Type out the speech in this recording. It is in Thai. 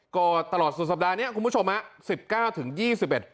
ก็ตลอดสุดสัปดาห์นี้คุณผู้ชมฮะสิบเก้าถึงยี่สิบเอ็ด